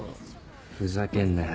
ふざけんなよ。